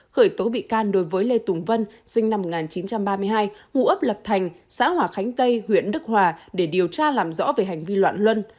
khởi tố bị can đối với lê tùng vân sinh năm một nghìn chín trăm ba mươi hai ngụ ấp lập thành xã hòa khánh tây huyện đức hòa để điều tra làm rõ về hành vi loạn luân